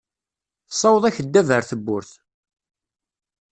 Ssaweḍ akeddab ar tawwurt.